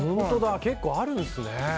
結構あるんですね。